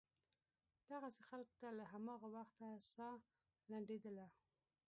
دغسې خلکو ته له هماغه وخته سا لنډېدله.